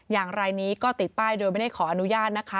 อย่างไรนี้ก็ติดป้ายโดยไม่ได้ขออนุญาตนะคะ